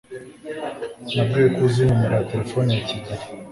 nabwiwe ko uzi nimero ya terefone ya kigeri